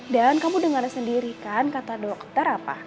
dan kamu dengar sendiri kan kata dokter apa